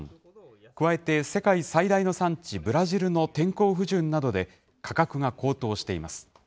加えて世界最大の産地、ブラジルの天候不順などで、価格が高騰しています。